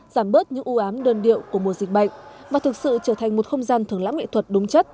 giảm bớt những ưu ám đơn điệu của mùa dịch bệnh và thực sự trở thành một không gian thưởng lãm nghệ thuật đúng chất